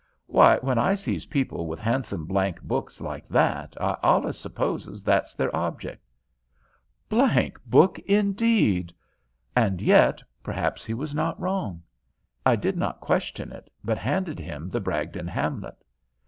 "Why, when I sees people with handsome blank books like that I allus supposes that's their object." Blank book indeed! And yet, perhaps, he was not wrong. I did not question it, but handed him the Bragdon Hamlet.